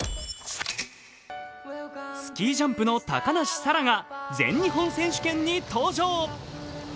スキージャンプの高梨沙羅が全日本選手権に登場。